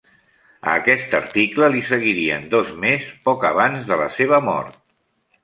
A aquest article li seguirien dos més poc abans de la seva mort.